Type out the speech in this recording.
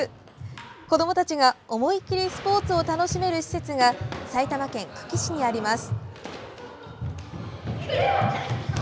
子どもたちが思い切りスポーツを楽しめる施設が埼玉県久喜市にあります。